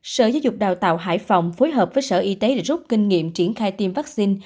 sở giáo dục đào tạo hải phòng phối hợp với sở y tế để rút kinh nghiệm triển khai tiêm vaccine